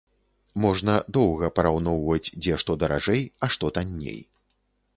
Можна доўга параўноўваць, дзе што даражэй, а што танней.